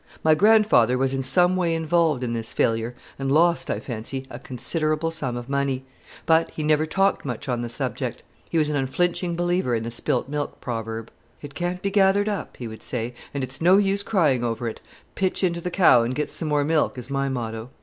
My grandfather was in some way involved in this failure, and lost, I fancy, a considerable sum of money; but he never talked much on the subject. He was an unflinching believer in the spilt milk proverb. "It can't be gathered up," he would say, "and it's no use crying over it. Pitch into the cow and get some more milk, is my motto."